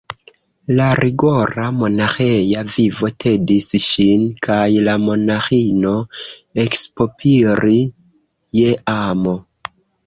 La rigora monaĥeja vivo tedis ŝin, kaj la monaĥino eksopiris je amo.